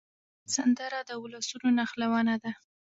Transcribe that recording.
سندره د ولسونو نښلونه ده